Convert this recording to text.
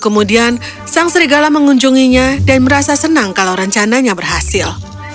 kemudian sang serigala mengunjunginya dan merasa senang kalau rencananya berhasil